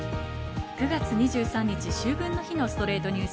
９月２３日、秋分の日の『ストレイトニュース』。